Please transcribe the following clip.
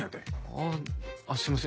あああっすいません